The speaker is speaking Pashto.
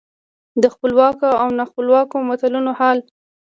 د خپلواکو او نا خپلواکو ملتونو حال.